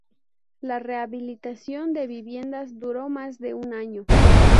La rehabilitación de viviendas duró más de un año.